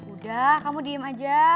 udah kamu diem aja